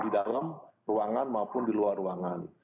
di dalam ruangan maupun di luar ruangan